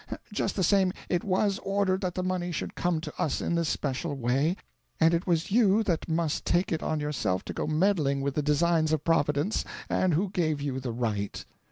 Just the same, it was ORDERED that the money should come to us in this special way, and it was you that must take it on yourself to go meddling with the designs of Providence and who gave you the right?